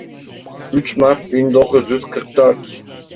Üç Mart bin dokuz yüz kırk dört.